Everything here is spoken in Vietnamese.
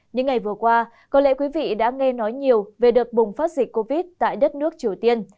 những ngày vừa qua có lẽ quý vị đã nghe nói nhiều về đợt bùng phát dịch covid tại đất nước triều tiên